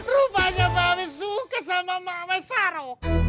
rupanya babi suka sama mamai saro